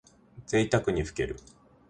ぜいたくにふける。